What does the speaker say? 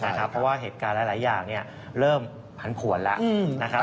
เพราะว่าเหตุการณ์หลายอย่างเริ่มผันผวนแล้วนะครับ